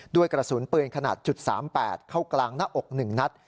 ด้วยกระสุนปืนขนาด๓๘เข้ากลางหน้าอก๑นัด